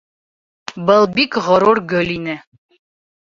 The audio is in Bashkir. Был бик ғорур гөл ине...